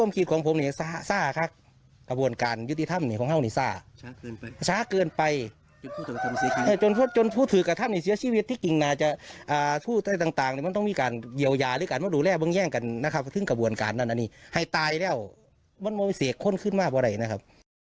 ถึงกระบวนการนั้นอันนี้ให้ตายแล้วมันมันเสียข้นขึ้นมากเบาะไรนะครับ